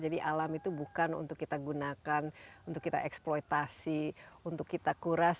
jadi alam itu bukan untuk kita gunakan untuk kita eksploitasi untuk kita kuras